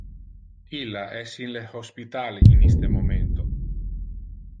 Illa es in le hospital in iste momento.